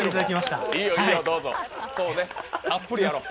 たっぷりやろう。